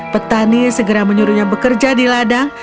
petani segera menyuruhnya bekerja di ladang